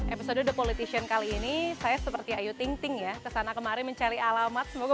episode the politician kali ini saya seperti ayu ting ting ya kesana kemari mencari alamat semoga